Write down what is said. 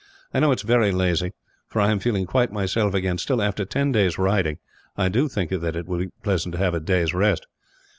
I know it is very lazy, for I am feeling quite myself again; still, after ten days' riding, I do think that it will be pleasant to have a day's rest."